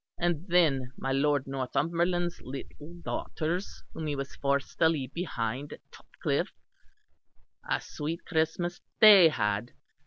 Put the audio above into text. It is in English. And then my Lord Northumberland's little daughters whom he was forced to leave behind at Topcliff a sweet Christmas they had!